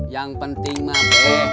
yang penting mak deh